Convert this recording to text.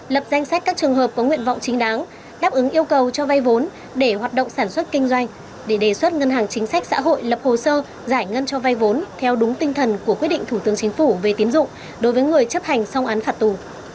lập danh sách các trường hợp có nguyện vọng chính đáng đáp ứng yêu cầu cho vay vốn để hoạt động sản xuất kinh doanh để đề xuất ngân hàng chính sách xã hội lập hồ sơ giải ngân cho vay vốn theo đúng tinh thần của quyết định thủ tướng chính phủ về tiến dụng đối với người chấp hành song án phạt tù